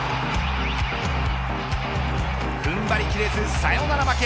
踏ん張りきれずサヨナラ負け。